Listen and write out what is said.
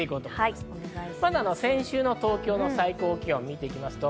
まず先週の東京の最高気温を見ていきます。